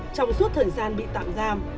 trong suốt thời gian bị tạm giam